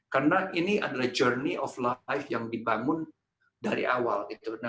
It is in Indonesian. karena ini adalah journey of life yang dibangun dari awal